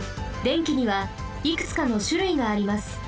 電気にはいくつかのしゅるいがあります。